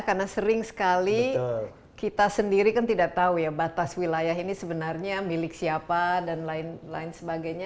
karena sering sekali kita sendiri kan tidak tahu ya batas wilayah ini sebenarnya milik siapa dan lain lain sebagainya